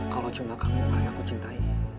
kalau cuma kamu bukan aku cintai